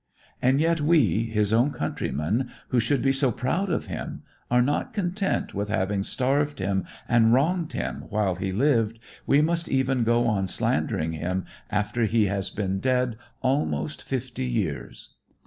And yet we, his own countrymen who should be so proud of him, are not content with having starved him and wronged him while he lived, we must even go on slandering him after he has been dead almost fifty years.